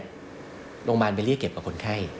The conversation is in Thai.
โรงพยาบาลไปเรียกเก็บกับคนไข้